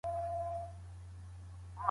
د حج په مرستې سره مي خپلي کوڅې پیدا کړې.